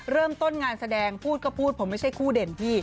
เริ่มต้นงานแสดงพูดก็พูดผมไม่ใช่คู่เด่นพี่